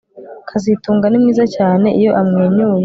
kazitunga ni mwiza cyane iyo amwenyuye